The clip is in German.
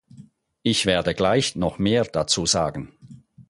Ich werde gleich noch mehr dazu sagen.